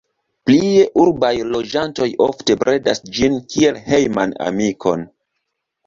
Plie urbaj loĝantoj ofte bredas ĝin kiel hejman amikon.